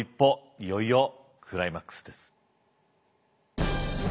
いよいよクライマックスです。